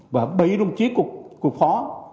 và bấy đồng chí cục phó